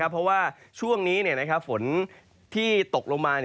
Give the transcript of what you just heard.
เพราะว่าช่วงนี้ฝนที่ตกลงมา